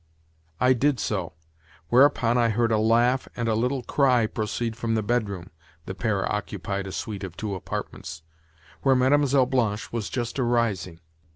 I did so; whereupon, I heard a laugh and a little cry proceed from the bedroom (the pair occupied a suite of two apartments), where Mlle. Blanche was just arising.